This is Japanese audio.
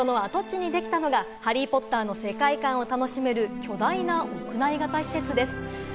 その跡地にできたのが『ハリー・ポッター』の世界観を楽しめる巨大な屋内型施設です。